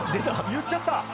言っちゃった。